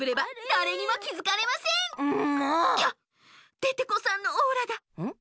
デテコさんのオーラがん？